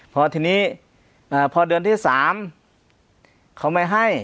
พอทีนี้พอเดือนที่๓เขาไม่ให้